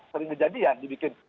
sering kejadian dibikin